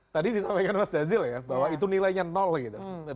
tadi disampaikan mas dhazil ya bahwa itu nilainya gitu